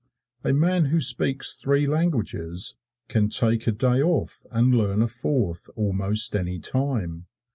A man who speaks three languages can take a day off and learn a fourth almost any time.